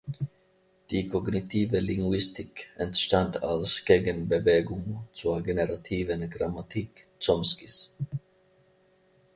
Die Kognitive Linguistik entstand als Gegenbewegung zur Generativen Grammatik Chomskys.